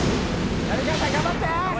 浪川さん頑張って！